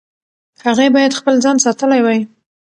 هغې باید خپل ځان ساتلی وای.